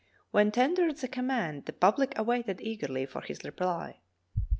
When tendered the command the public awaited eagerly for his reply.